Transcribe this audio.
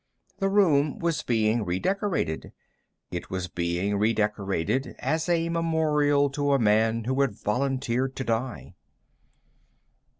The room was being redecorated. It was being redecorated as a memorial to a man who had volunteered to die.